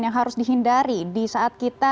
yang harus dihindari di saat kita